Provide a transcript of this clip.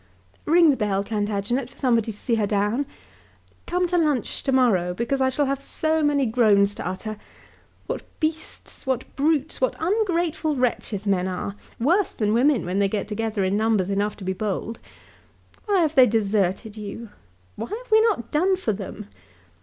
"Ring the bell, Plantagenet, for somebody to see her down. Come to lunch to morrow because I shall have so many groans to utter. What beasts, what brutes, what ungrateful wretches men are! worse than women when they get together in numbers enough to be bold. Why have they deserted you? What have we not done for them?